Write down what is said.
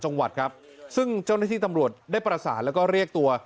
จังหวัดครับซึ่งเจ้าหน้าที่ตำรวจได้ประสานแล้วก็เรียกตัว